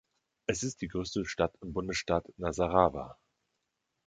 Es ist die größte Stadt im Bundesstaat Nasarawa.